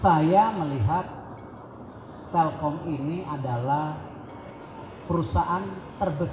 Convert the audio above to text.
saya melihat telkom ini adalah perusahaan yang sangat berkembang